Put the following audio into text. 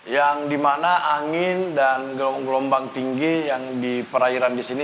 yang di mana angin dan gelombang gelombang tinggi yang diperairan di sini